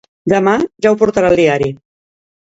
Demà ja ho portarà el diari.